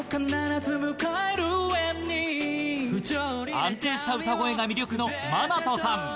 安定した歌声が魅力のＭＡＮＡＴＯさん